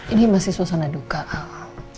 ini masih suasana duka al